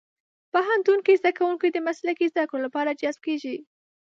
پوهنتون کې زدهکوونکي د مسلکي زدهکړو لپاره جذب کېږي.